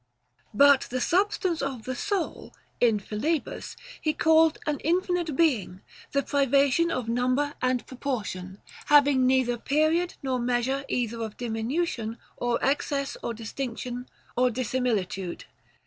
6. But the substance of the soul, in Philebus, he called an infinite being, the privation of number and proportion ; having neither period nor measure either of diminution or excess or distinction or dissimilitude.